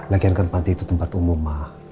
lagian kan panti itu tempat umum